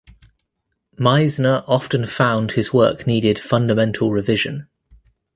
Meisner often found his work needed fundamental revision.